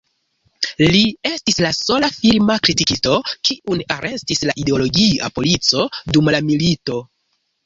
Li estis la sola filma kritikisto, kiun arestis la ideologia polico dum la milito.